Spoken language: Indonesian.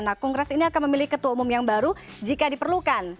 nah kongres ini akan memilih ketua umum yang baru jika diperlukan